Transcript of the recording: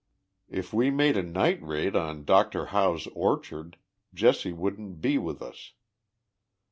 If we made a night raid on Dr. Howe's orchard, Jesse wouldn't be with us.